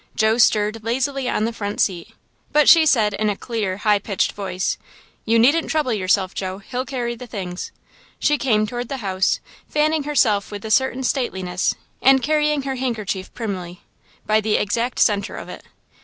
Joe stirred lazily on the front seat, but she said, in a clear, high pitched voice: "You needn't trouble yourself, Joe. He'll carry the things." She came toward the house, fanning herself with a certain stateliness, and carrying her handkerchief primly, by the exact centre of it.